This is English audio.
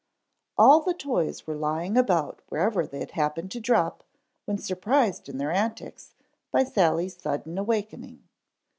All the toys were lying about wherever they had happened to drop when surprised in their antics by Sally's sudden awakening.